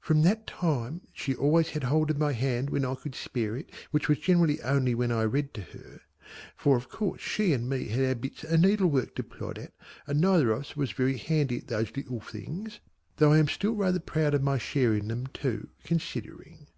From that time she always had hold of my hand when I could spare it which was generally only when I read to her, for of course she and me had our bits of needlework to plod at and neither of us was very handy at those little things, though I am still rather proud of my share in them too considering.